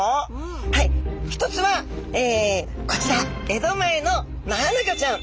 一つはこちら江戸前のマアナゴちゃん。